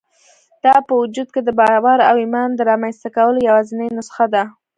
دا په وجود کې د باور او ايمان د رامنځته کولو يوازېنۍ نسخه ده.